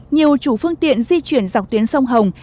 nhiều chủ phương tiện di chuyển dọc tuyến sông hồng